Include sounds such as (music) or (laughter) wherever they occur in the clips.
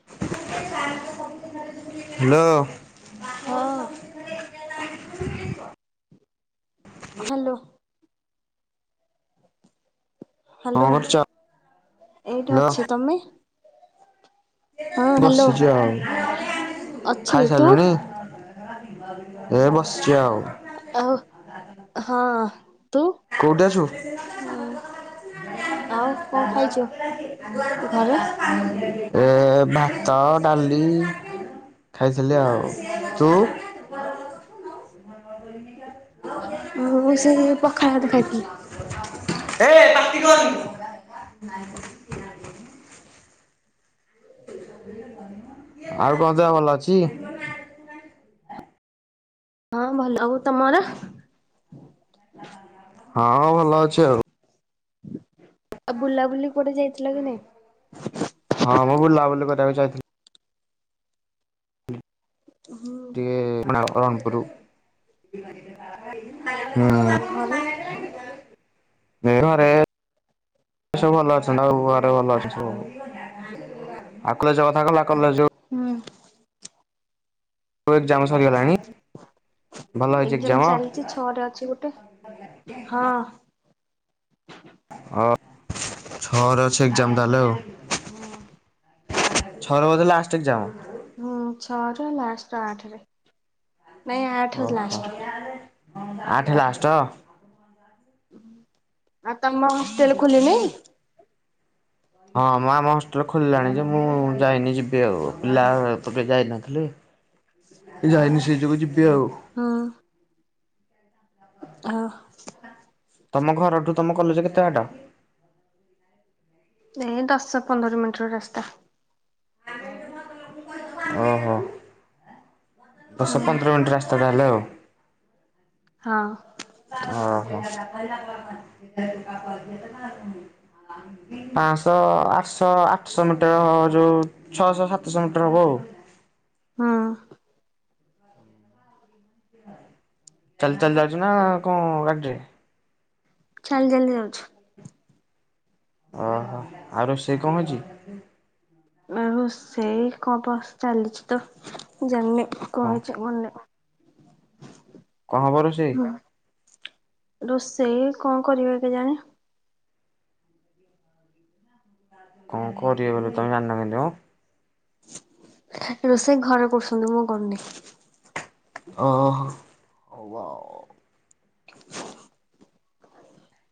Hello. ହଁ। Hello. କଣ hello କରୁଛ? ଏଇଠି ହ୍ୟାଲୋ ଅଛି ତମେ? ହଁ ହ୍ୟାଲୋ ବସିଛି ଆଉ ଅଛି ତୁ ଖାଇସାରିଲୁଣି? ଏ ବସିଛି ଆଉ। ଆଉ ହଁ। ତୁ କୋଉଠି ଅଛୁ। (inaudible) ହଁ ଆଉ କଣ ଖାଇଛୁ ଘରେ ଏ ଭାତ ଡାଲି ଖାଇଥିଲି ଆଉ। ତୁ? ମୁଁ ସେ ପଖାଳ ଭାତ ଖାଇଥିଲି। ଏ ପାଟି କରନି। ଆଉ କଁ ଦେହ ଭଲ ଅଛି? ହଁ ଭଲ ଆଉ ତମର? ହଁ ଭଲ ଅଛି ଆଉ। ଆ ବୁଲାବୁଲି କୁଆଡ଼େ ଯାଇଥିଲ କି ନାଇଁ? ହଁ ମୁଁ ବୁଲାବୁଲି କରିବାକୁ ଯାଇଥିଲି। ହୁଁ ଟିକେ ନବରଙ୍ଗପୁରୁ। ନୂଆ ଆଉ ଘରେ ନୂଆ। ମେରରେ ସବୁ ଭଲ ଅଛ ସବୁ ଘରେ ଭଲ ଅଛ ସବୁ? ଆଖୁ ଚାଷ କଥା କଲା କଲ ଯୋଉ ହୁଁ। ଏକ୍ଜାମ ସରିଗଲାଣି ଭଲ ହେଇଛି ଏଗ୍ଜାମ୍ ଏକ୍ଜାମ? ଚାଲିଚି ଛଅରେ ଅଛି ଗୋଟେ। ହଁ। ଅ ଛଅରେ ଅଛି ଏକ୍ଜାମ୍ ତାଲେ ଆଉ। ହଁ। ଛଅରେ ବୋଧେ ଲାଷ୍ଟେ ଏଗ୍ଜାମ୍? ହଁ ଛଅରେ ଲାଷ୍ଟ ଆଠେରେ। ଓହୋ ଆଠେ ଲାଷ୍ଟ? ଆଉ ତମ ହଷ୍ଟେଲ୍ ଖୋଲିନେଇ? ହଁ ମ ଆମ ହଷ୍ଟେଲ୍ ଖୋଲିଲାଣି ଯେ ମୁଁ ଯାଇନି ଯିବି ଆଉ ପିଲା ତ ବେ ଯାଇନଥିଲେ। ଯାଇନି ସେଇ ଯୋଗୁ ଯିବି ଆଉ। ହଁ। ଆଅ ତମ ଘରଠୁ ତମ କଲେଜେ କେତେ ବାଟ? ଏ ଦଶ ପନ୍ଦର ମିଣ୍ଟିର ରାସ୍ତା। ଅହ ଦଶ ହୁଁ ପନ୍ଦର ମିଣ୍ଟି ରାସ୍ ତା ତାହେଲେ ଆଉ। ହଁ। ଅଁ ହଁ। ପାଁଶ ଆଠଶ ଆଠଶ ମିଟର୍ ଯୋଉ ଛଅଶ ସାତଶ ମିଟର୍ ହବ ଆଉ। ହଁ। ଚାଲି ଚାଲି ଯାଉଚୁ ନାଁ କଁ ଗାଡ଼ିରେ? ଚାଲି ଚାଲି ଯାଉଛି। ଅହ ଆଉ ରୋଷେଇ କଁ ହେଇଚି? ଆଉ ସେଇ କଁ ପଷ୍ ଚାଲିଚି ତ ଜାଣିନି କଁ କଣ ହେଇଚି ବନେ (unintelligible) କଁ ହବ ରୋଷେଇ? ରୋଷେଇ କଁ କରିବେ କେଜାଣି? (inaudible) କଁ କରିବେ ବୋଲି ତମେ ଜାଣିନ କେମତି ମ? ରୋଷେଇ ଘରେ କରୁଛନ୍ତି ମୁଁ କରୁନେଇ। ଅହ ହବ ଆଉ।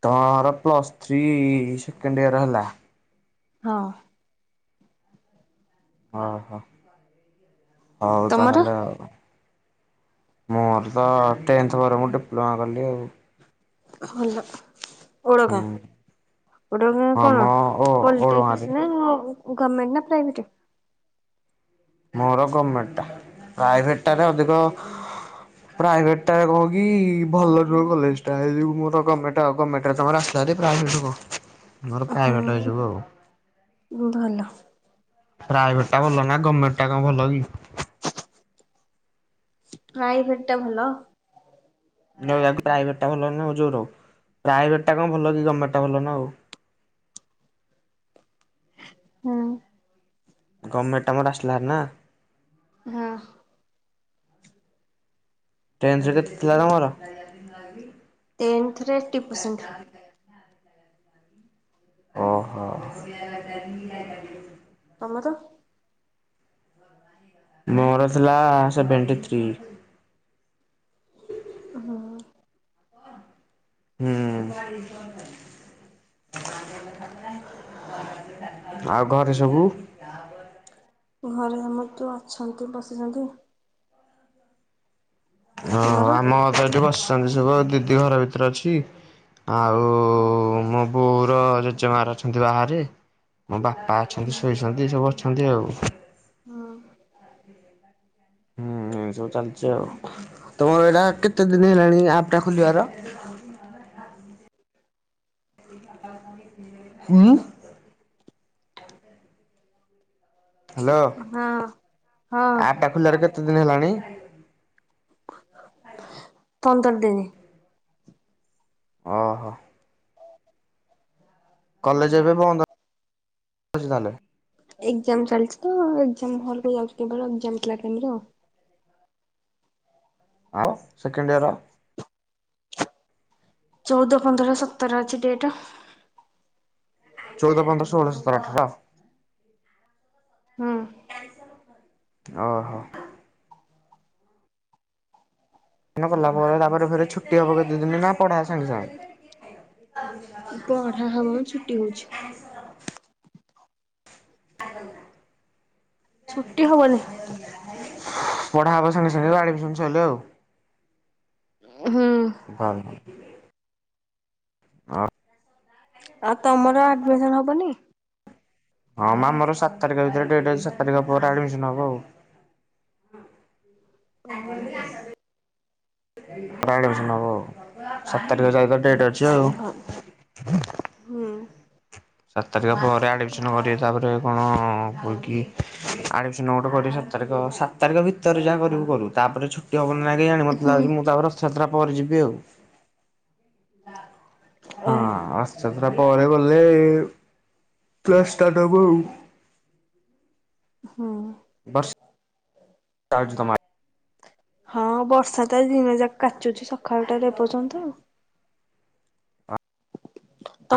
ତମର ପ୍ଲସ୍ ଥ୍ରୀ ସେକେଣ୍ଡ୍ ଇୟର୍ ହେଲା। ହଁ ଓହୋ ହଉ ତା ତମର ହେଲେ ଆଉ। ମୋର ତ ଟେନ୍ଥ ପରେ ମୁଁ ଡିପ୍ଲୋମା କଲି ଆଉ। ଭଲ। ହୁଁ ଓଡଗାଁ, ଓଡଗାଁ ଆମ କଣ ଓ ଓଡଗାଁରେ ପଲଟେକ୍ସ ନାଁ ଆଉ। ଗମେଣ୍ଟ ନା ପ୍ରାଇଭେଟ? ମୋର ଗମେଣ୍ଟଟା ପ୍ରାଇଭେଟଟାରେ ଅଧିକ ପ୍ରାଇଭେଟ ଟା କହୁ କି ଭଲ ନୁହେଁ କଲେଜ ଟା ସେଇ ଯୋଗୁ ମୋର ଗମେଣ୍ଟ ଆଉ ଗମେଣ୍ଟ। ସେଇଟା ତମର ଆସଲାଭାରୀ ପ୍ରାଇଭେଟ କଣ। ମୋର ଓହୋ, ପ୍ରାଇଭେଟ ଏଇ ଯୋଗୁ ଆଉ। ହୋ, ଭଲ। ପ୍ରାଇଭେଟ ଟା ଭଲ ନା ଗମେଣ୍ଟଟା କଣ ଭଲ କି। ପ୍ରାଇଭେଟ ଟା ଭଲ? ରହିବାକୁ ପ୍ରାଇଭେଟ ଟା ଭଲ ନା ଆଉ ଯୋର ପ୍ରାଇଭେଟ ଟା କଣ ଭଲ କି ଗର୍ଣ୍ଣମେଟା ଭଲନା ଆଉ। ହଁ। ଗଭଣ୍ଟଟା ମୋର ଆସିଲାଭାରି ନା। ହଁ। ଟେନ୍ଥ ରେ କେତେ ଥିଲା ତମର? ହେରା ଦିନର କି? ଟେନ୍ଥରେ ଏଇଟ ପରସେଣ୍ଟ। ଓହୋ। ତମର? ମୋର ଥିଲା ସେଭେଣ୍ଟି ଥ୍ରୀ। ହଁ। ହୁଁ। ଆଉ ଘରେ ସବୁ? ଯହାବ (inaudible) ଘରେ ସମସ୍ତେ ଅଛନ୍ତି ବସିଛନ୍ତି। ଓହୋ ତମର? ଆମ ତ ଏଠି ବସିଛନ୍ତି ସବୁ ଦିଦି ଘର ଭିତରେ ଅଛି ଆଉ ହୁଁ। ମୋ ବୋଉର ଜେଜେମାର ଅଛନ୍ତି ବାହାରେ ମୋ ବାପା ଅଛନ୍ତି ଶୋଇଛନ୍ତି। ଯି ସବୁ ଅଛନ୍ତି ଆଉ। ହଁ। ହୁଁ ଏମତି ସବୁ ଚାଲିଛି ଆଉ ତମର ଏଇଟା କେତେ ଦିନ ହେଲାଣି ଆପ୍ ଟା ଖୋଲିବାର? ହ (inaudible) ହୁଁ। ହ୍ୟାଲୋ ହଁ ହଁ ଆପଟା ଖୋଲିଆର କେତେ ଦିନି ହେଲାଣି? ପନ୍ଦର ଦିନି। ଓଁ ହୋ। କଲେଜ ଏବେ ବନ୍ଦଅଛି ତାହେଲେ? ଏକ୍ଜାମ ଚାଲିଛି ତ ଏଗଜାମ ହଲକୁ ଯାଉଛି କେବଳ ଏଗଜାମ ଥିଲା ଟାଇମରେ ଆଉ। ଆଉ ସେକେଣ୍ଡ ଇୟର? ଚଉଦ ପନ୍ଦର ସତର ଅଛି ଡେଟ୍। ଚଉଦ ପନ୍ଦର ଷୋଅଳ ଶତର ଅଠର? ହୁଁ। ଓହୋ। ଏଇନା ଗଲା ପରେ ତାପରେ ଫେରେ ଛୁଟି ହବ କେତେ ଦିନିନା ପଢ଼ା ସାଙ୍ଗେ ସାଙ୍ଗେ? ପଢା ହବା ଛୁଟି ହଉଛି। ଛୁଟି ହବନି। ପଢା ହବ ସାଙ୍ଗେ ସାଙ୍ଗେ ତ ଆଡମିସନ ସଇଲେ ଆଉ। ହୁଁ। ଭଲ (unintelligible) ଆଉ ତମର ଆଡମିସନ ହବନି? ହଁ ଆମର ସାତ ତାରିଖ ଭିତରେ ଡେଟ୍ ଅଛି ସାତ ତାରିଖ ପରେ ଆଡମିସନ ହବ ଆଉ। ହଁ ତାପ ବି ଆସ ଏଥର ଆଡମିଶନ୍ ହବ ଆଉ ସାତ ତାରିଖ ପର୍ଯ୍ୟନ୍ତ ତ ଡେଟ୍ ଅଛି। ଆଉ ଓହୋ ହୁଁ। ସାତ ତାରିଖ ପରେ ଆଡ଼ମିସନ କରିବେ ତାପରେ କଣ ହୋଇକି ଆଡ଼ମିଶନ୍ ଗୋଟେ କରିବେ ସାତ ତାରିଖ ସାତ ତାରିଖ ଭିତରେ ଯାହା କରିବୁ କରିବୁ ତାପରେ ଛୁ (unintelligible) ମତେ ହୁଁ ଲାଗୁଛି ମୁଁ ତ ରଥଯାତ୍ରା ପରେ ଯିବି ଆଉ। ଓ ହଁ ରଥ ଯାତ୍ରା ପରେ ଗଲେ କ୍ଲାସ୍ ଷ୍ଟାଟ୍ ହବ ଆଉ। ହୁଁ। ବସ୍ (unintelligible) ହଁ ବର୍ଷା ତ ଆଜି ଦିନ ଯାକ କାଚୁଚି ସକାଳୁଟାରୁ ଏପର୍ଯ୍ୟନ୍ତ ଆଉ।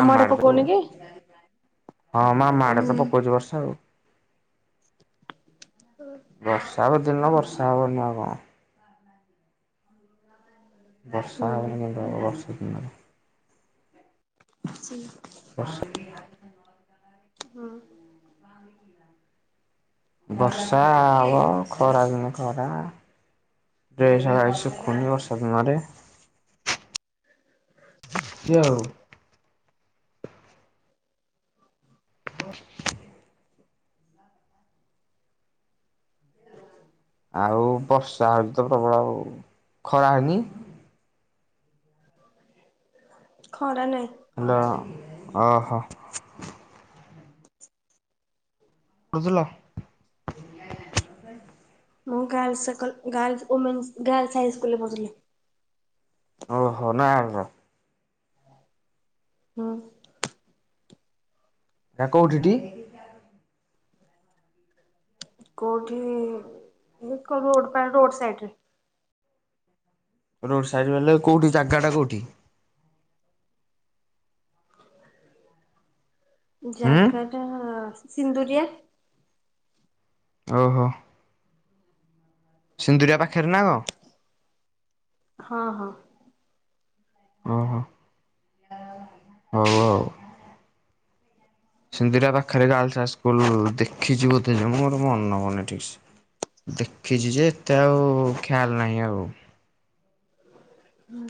ଆ ଆଡେ ମାଡ ହଁ ପକଉନି କି? ଆମ ଆଡେ ତ ପକଉଛି ବର୍ଷା ଆଉ। ହୁଁ। ବର୍ଷା ହେବ ଦିନ ବର୍ଷା ହବନି ନା କଣ? ବର୍ଷା ହେବନି କେମିତି ହବ ବର୍ଷା ଦିନ। ଅଛି। ବସ୍ ହଁ। ବର୍ଷା ହବ ଖରା ଦିନ ଖରା। ଡ୍ରେସ୍ ହେକା ଶୁଖୁନି ବର୍ଷା ଦିନରେ। ଏମିତି ଆଉ। ହ ଆଉ ବର୍ଷା ହଉଛି ତ ପ୍ରବଳ ଆଉ ଖରା ହଉନି। ଖରା ନାହିଁ। ହାଲୋ ଓହୋ। ବଜିଲ? ମୁଁ girls girls women girls high school ରେ ପଢ଼ୁଥିଲି। ଓହୋ ନୟାଗଡ। ହଁ। ହେଇଟା କୋଉଠି ତି? କେଉଁଠି ନିକୋ ରୋଡ଼ ପାଇଁ ରୋଡ଼୍ ସାଇଡ଼ରେ। ରୋଡ ସାଇଡ ବଲେ କୋଉଠି ଜାଗା ଟା କୋଉଠି? ହୁଁ। ଜାଗା ଟା ସିନ୍ଦୁରିଆ? ଓହୋ। ସିନ୍ଦୁରିଆ ପାଖରେ ନା କଣ? ହଁ ହଁ। ଓହୋ। ହଉ ଆଉ। ସିନ୍ଦୁରିଆ ପାଖରେ ଗାର୍ଲସ ସ୍କୁଲ ଦେଖିଛି ବୋଧେ ଯେ ମୋର ମନେ ପଡୁନି ଠିକ ସେ। ଦେଖିଛି ଯେ ଏତେ ଆଉ ଖି୍ୟାଲ ନାହିଁ ଆଉ। ହୁଁ।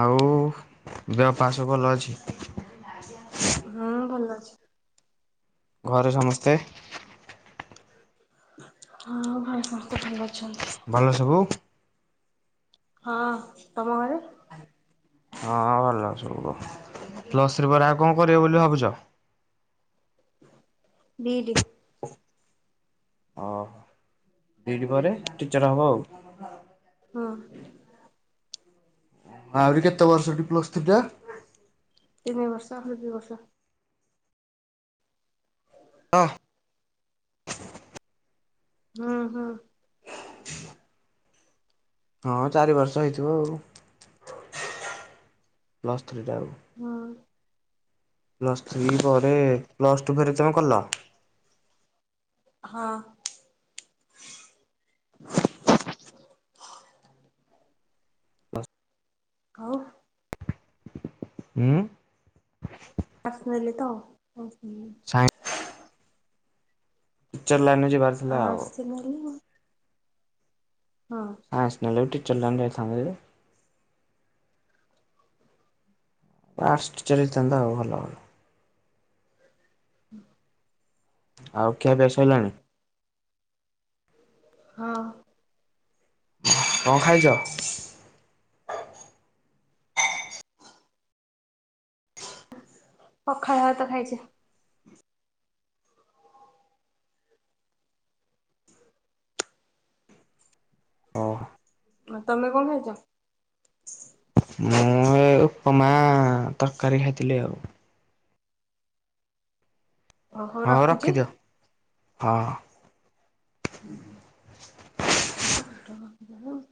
ଆଉ ଦେହ ପାସ ସବୁ ଭଲ ଅଛି। ହଁ ଭଲ ଅଛି। ଘରେ ସମସ୍ତେ? ହ ହଁ ଭାଇ, ସମସ୍ତେ ଭଲ ଅଛନ୍ତି। ଭଲ ସବୁ? ହଁ। ତମ ଘରେ? ହଁ, ଭଲ ସବୁ ଆଉ। ପ୍ଲସ୍ ଥ୍ରୀ ପରେ ଆଉ କଣ କରିବ ବୋଲି ଭାବୁଛ? B Ed. ଓ, ବି ଇଡି ପରେ ଟିଚର ହବ ଆଉ। ହଁ। ଆହୁରି କେତେ ବର୍ଷ ପ୍ଲସ୍ ଥ୍ରୀଟା? ତିନି ବର୍ଷ, ଆହୁରି ଦି ବର୍ଷ। ହଁ। ହଁ, ହଁ। ହଁ, ଚାରି ବର୍ଷ ହେଇଥିବ ଆଉ। ପ୍ଲସ୍ ଥ୍ରୀଟା ଆଉ। ହଁ। ପ୍ଲସ୍ ଥ୍ରୀ ପରେ, ପ୍ଲସ୍ ଟୁ ଫେରେ ତୁମେ କଲ? ହଁ। ଖାଉ ଉଁ? ଆର୍ଟ୍ସ ନେଲି ତ, ହଉ। ସାଇନ୍ସ ଟିଚର ଲାଇନରେ ଯିବାରଥିଲା ଆଉ। (unintelligible) ହଁ। ଆର୍ଟ୍ସ ନେଲେ ଟିଚର ଲାଇନ ଯାଇଥାନ୍ତା ଯେ। ଆର୍ଟ୍ସ ଟିଚର ହେଇଥାନ୍ତ ଆଉ ଭଲ ଭଲ। ହୁଁ। ଆଉ ଖିଆପିଆ ସଇଲାଣି? ହଁ। କଣ ଖାଇଛ? ପଖାଳ ଭାତ ଖାଇଛି। ହଉ। ଆଉ ତମେ କଣ ଖାଇଛ? ମୁଁ ଏ ଉପମା, ତରକାରୀ ଖାଇଥିଲି ଆଉ। ଓହୋ ହଉ ରଖୁଛି। ରଖିଦିଅ, ହଁ। (unintelligible)